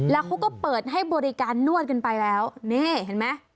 แล้วเขาก็เปิดให้บริการนวดกันไปแล้วนี่เห็นไหม